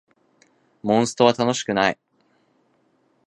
モンストは楽しくない